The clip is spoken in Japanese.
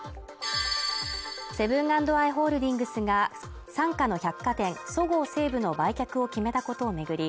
セブン＆アイ・ホールディングスが傘下の百貨店そごう・西武の売却を決めたことを巡り